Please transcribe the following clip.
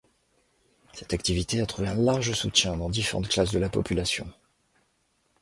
Cette activité a trouvé un large soutien dans différentes classes de la population.